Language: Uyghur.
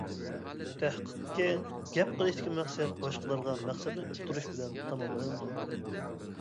تەھقىقكى، گەپ قىلىشتىكى مەقسەت باشقىلارغا مەقسەتنى ئۇقتۇرۇش بىلەن تاماملىنىدۇ.